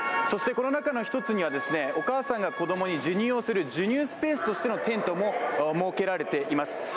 そしてこの中の一つには、お母さんが子供に授乳をする授乳スペースとしてのテントも設けられています。